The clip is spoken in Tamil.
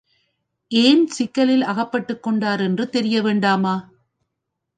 ஏன் சிக்கலில் அகப்பட்டுக் கொண்டார் என்று தெரிய வேண்டாமா?